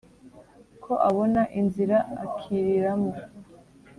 ko abona inzira akiriramo